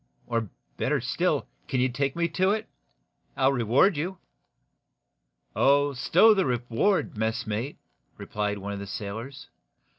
Or, better still, can you take me to it? I'll reward you." "Oh, stow the reward, messmate," replied one of the sailors.